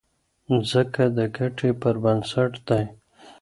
ځکه د ګټې پر بنسټ دی.